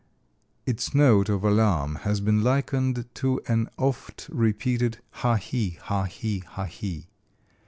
Its note of alarm has been likened to an oft repeated ha he, ha he, ha he.